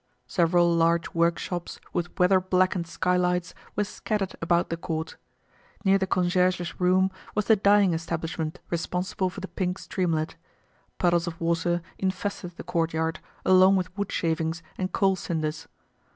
Several large work shops with weather blackened skylights were scattered about the court. Near the concierge's room was the dyeing establishment responsible for the pink streamlet. Puddles of water infested the courtyard, along with wood shavings and coal cinders.